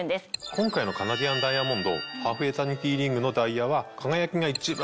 今回のカナディアンダイヤモンドハーフエタニティリングのダイヤは輝きが一番